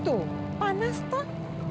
tuh panas toh